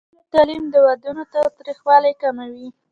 د نجونو تعلیم د ودونو تاوتریخوالی کموي.